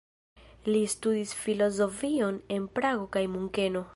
Li studis filozofion en Prago kaj Munkeno.